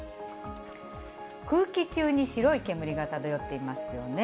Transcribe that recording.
空気中に白い煙が漂っていますよね。